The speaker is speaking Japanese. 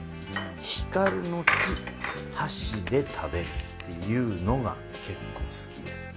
しかるのち箸で食べるっていうのが結構好きですね。